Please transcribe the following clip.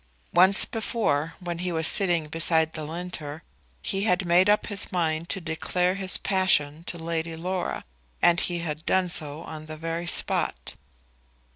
Once before when he was sitting beside the Linter he had made up his mind to declare his passion to Lady Laura; and he had done so on the very spot.